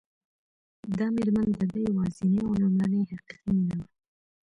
دا مېرمن د ده یوازېنۍ او لومړنۍ حقیقي مینه وه